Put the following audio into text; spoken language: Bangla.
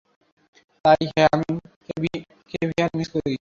তাই, হ্যাঁ, আমি ক্যাভিয়ার মিস করি।